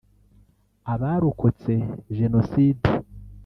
“Abarokotse Jenoside